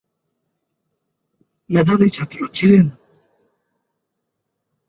মেধাবী ছাত্র ছিলেন।